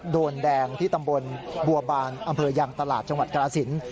โดนแดงที่ตำบลบัวบานอำเภอยางตลาดจังหวัดกราศิลป์